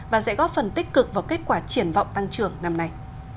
và sẽ góp phần tích cực vào kết quả triển vọng tăng trưởng năm nay